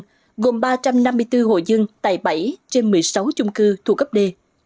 gồm ba trăm năm mươi bốn hộ dân tại bảy trên một mươi sáu chung cư thuộc cấp d